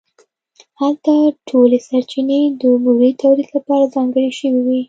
هلته ټولې سرچینې د بورې تولید لپاره ځانګړې شوې وې